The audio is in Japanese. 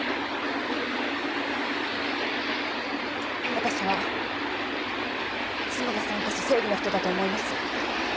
わたしは角田さんこそ正義の人だと思います。